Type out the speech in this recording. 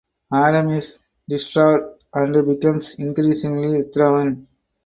Adam is distraught and becomes increasingly withdrawn.